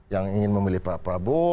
yang ingin memilih pak prabowo